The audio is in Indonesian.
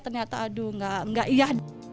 ternyata aduh nggak iya